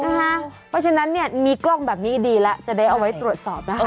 เพราะฉะนั้นเนี่ยมีกล้องแบบนี้ดีแล้วจะได้เอาไว้ตรวจสอบนะคะ